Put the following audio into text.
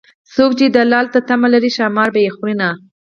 څوک چې د لال تمه لري ښامار به يې خورینه